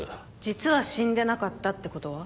実は死んでなかったってことは？